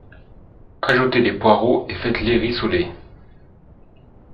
Ajoutez les poireaux et faites-les rissoler